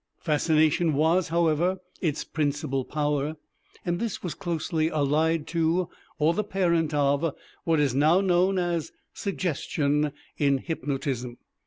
Fascination was, however, its principal power, and this was closely allied to, or the parent of, what is now known as Suggestion in Hypnotism.